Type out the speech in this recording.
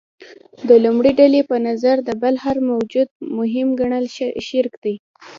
د لومړۍ ډلې په نظر د بل هر موجود مهم ګڼل شرک دی.